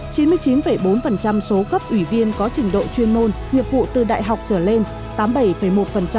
chín mươi chín bốn số cấp ủy viên có trình độ chuyên môn nhiệm vụ từ đại học trở lên